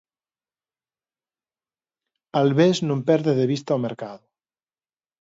Albés non perde de vista o mercado.